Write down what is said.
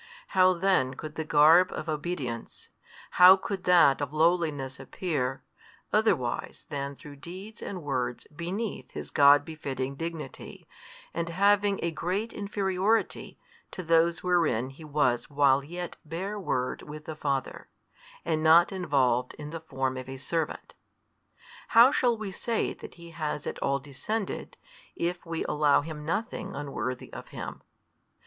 How then could the garb of obedience, how could that of lowliness appear, otherwise than through deeds and words beneath His God befitting Dignity, and having a great inferiority to those wherein He was while yet bare Word with the Father, and not involved in the form of a servant? How shall we say that He has at all descended, if we allow Him nothing unworthy of Him?